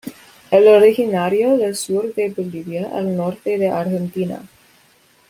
Es originario del sur de Bolivia al norte de Argentina.